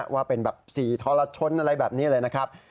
ว่าเป็นแบบ๔ทรชนอะไรแบบนี้เลยนะครับ